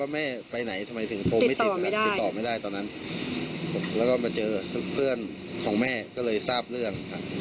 มีอะไรทำงานที่อื่น